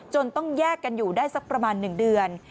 ต้องแยกกันอยู่ได้สักประมาณ๑เดือน